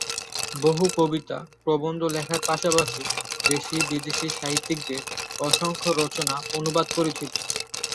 বহু কবিতা, প্রবন্ধ লেখার পাশাপাশি দেশী বিদেশী সাহিত্যিকদের অসংখ্য রচনা অনুবাদ করেছিলেন।